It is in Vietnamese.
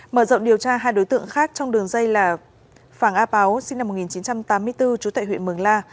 mở rộng điều tra hai đối tượng khác trong đường dây là phàng á páo sinh năm một nghìn chín trăm tám mươi bốn trú tại huyện mường la